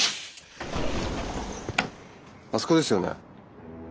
あそこですよね？